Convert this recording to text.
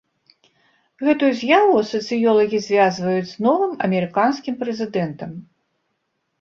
Гэтую з'яву сацыёлагі звязваюць з новым амерыканскім прэзідэнтам.